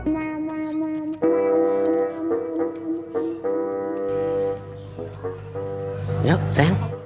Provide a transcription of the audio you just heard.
kita lewat jalan belakang aja ya pa